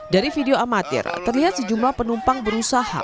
dari video amatir terlihat sejumlah penumpang berusaha